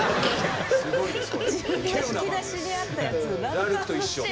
ラルクと一緒。